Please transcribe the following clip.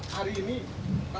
hari ini ramai berkata